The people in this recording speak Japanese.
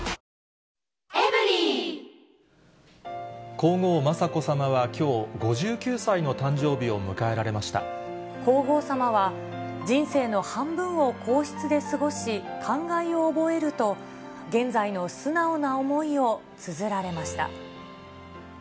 皇后、雅子さまはきょう、皇后さまは、人生の半分を皇室で過ごし、感慨を覚えると、現在の素直な思いをつづられました。